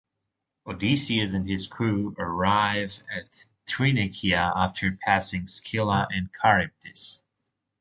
Odysseus and his crew arrive at Thrinacia after passing Scylla and Charybdis.